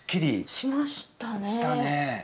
しましたね。